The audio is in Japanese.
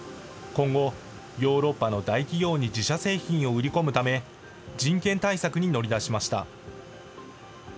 今後、ヨーロッパの大企業に自社製品を売り込むため、人権対策に乗り出しました。